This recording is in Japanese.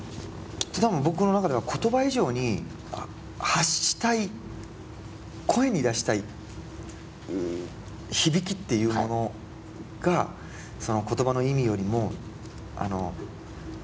きっと多分僕の中では言葉以上に発したい声に出したい響きっていうものがその言葉の意味よりも大事なことなんだと思うんですよ。